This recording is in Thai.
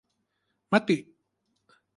มติ